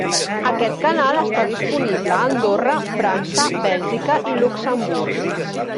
Aquest canal està disponible a Andorra, França, Bèlgica i Luxemburg.